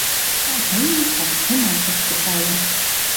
А тый, Эвика, омашышке кае.